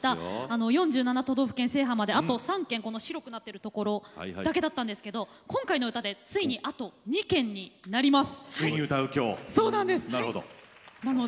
４７都道府県制覇まであと３県だけだったんですけれども今回の歌でついにあと２県になります。